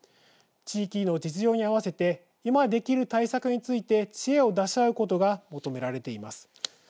地域の実情に合わせて今、できる対策について知恵を出し合うことが求められています。